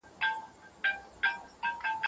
بد خبرونه هر لور ته دي.